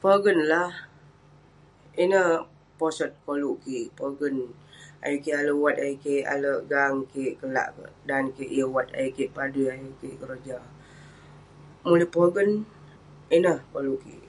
Pogen lah. Ineh posot koluk kik, pogen. Ayuk kik ale' wat, ayuk kik ale' gang kik kelak kek dan kik yeng wat. Ayuk kik padui, ayuk kik keroja. Mulik pogen, ineh koluk kik.